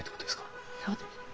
そうですね。